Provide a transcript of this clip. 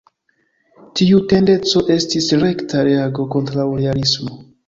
Tiu tendenco estis rekta reago kontraŭ realismo.